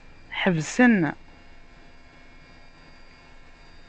Ḥebsen.